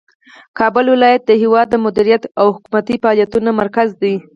کابل ولایت د هیواد د مدیریت او حکومتي فعالیتونو مرکز دی.